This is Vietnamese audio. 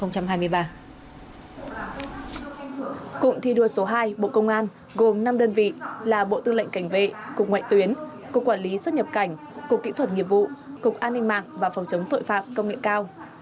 cụm thi đua số hai bộ công an gồm năm đơn vị là bộ tư lệnh cảnh vệ cục ngoại tuyến cục quản lý xuất nhập cảnh cục kỹ thuật nghiệp vụ cục an ninh mạng và phòng chống tội phạm công nghệ cao